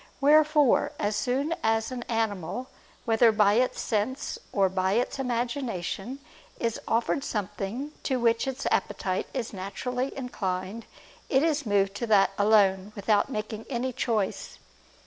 Wherefore as soon as an animal, whether by its sense or by its imagination, is offered something to which its appetite is naturally inclined, it is moved to that alone, without making any choice.